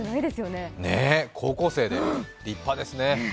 ね、高校生で、立派ですね。